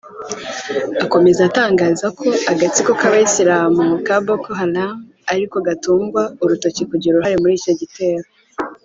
Akomeza atangaza ko agatsiko k’Abayisilamu ka Boko Haram ari ko gatungwa urutoki kugira uruhare muri icyo gitero